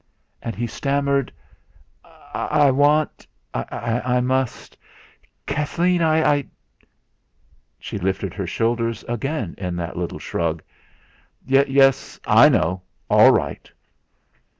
And he stammered: "I want I must Kathleen, I " She lifted her shoulders again in that little shrug. "Yes I know; all right!"